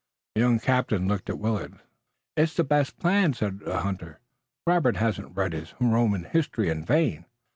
The young captain looked at Willet. "It's the best plan," said the hunter. "Robert hasn't read his Roman history in vain."